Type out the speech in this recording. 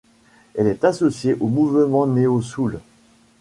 Il est associé au mouvement neo soul.